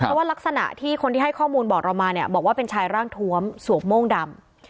เพราะว่ารักษณะที่คนที่ให้ข้อมูลบอกเรามาเนี่ยบอกว่าเป็นชายร่างทวมสวมโม่งดำ